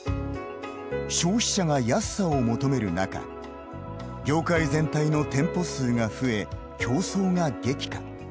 消費者が安さを求める中業界全体の店舗数が増え競争が激化。